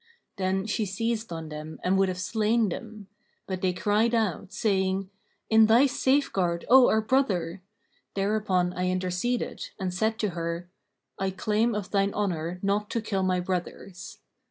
Then she seized on them and would have slain them; but they cried out, saying, 'In thy safeguard, O our brother!' Thereupon I interceded and said to her, 'I claim of thine honour not to kill my brothers.'